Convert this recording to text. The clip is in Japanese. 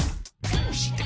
「どうして？